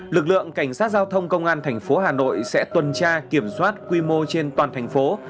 lực lượng cảnh sát giao thông công an thành phố hà nội sẽ tuần tra kiểm soát quy mô trên toàn thành phố